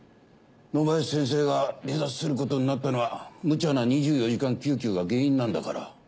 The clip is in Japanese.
野林先生が離脱することになったのはムチャな２４時間救急が原因なんだから。